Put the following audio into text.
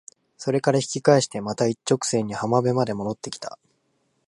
それから引き返してまた一直線に浜辺まで戻って来た。